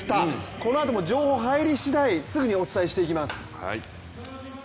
このあとも情報入り次第、すぐにお伝えしていきます。